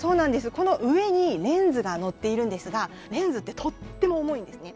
この上にレンズがのっているんですがレンズってとっても重いんですね。